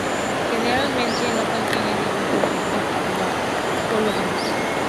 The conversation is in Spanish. Generalmente no contienen ningún producto farmacológico.